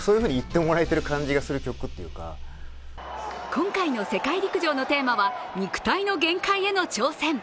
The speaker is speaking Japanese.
今回の世界陸上のテーマは肉体の限界への挑戦。